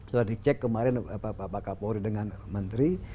sudah dicek kemarin pak kapolri dengan menteri